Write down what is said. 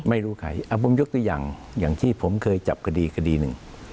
ไม่รู้ใครผมยกตัวอย่างอย่างที่ผมเคยจับคดีคดีหนึ่ง